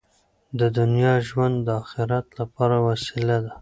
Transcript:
د دنیا ژوند د اخرت لپاره وسیله ده.